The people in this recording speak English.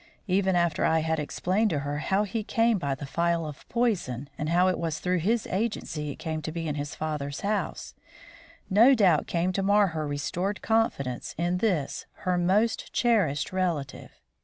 Even after I had explained to her how he came by the phial of poison, and how it was through his agency it came to be in his father's house, no doubt came to mar her restored confidence in this her most cherished relative.